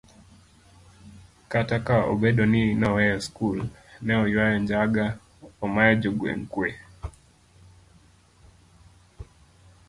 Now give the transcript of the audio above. kata ka obedo ni noweyo skul, ne oywayo njaga, omayo jogweng' kwe